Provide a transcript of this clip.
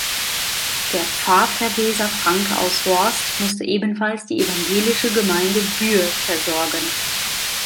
Der Pfarrverweser Franke aus Horst musste ebenfalls die evangelische Gemeinde Buer versorgen.